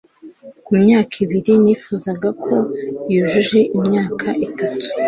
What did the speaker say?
ku myaka ibiri, nifuzaga ko yujuje imyaka itatu